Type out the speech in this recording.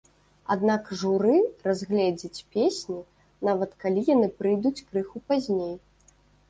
Аднак журы разгледзіць песні нават калі яны прыйдуць крыху пазней.